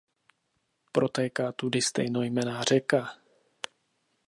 Protéká tudy stejnojmenná řeka.